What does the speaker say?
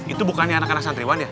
itu bukan anak anek santriwan ya